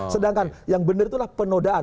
sedangkan yang benar itulah penodaan